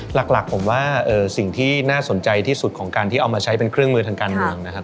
หลักผมว่าสิ่งที่น่าสนใจที่สุดของการที่เอามาใช้เป็นเครื่องมือทางการเมืองนะครับ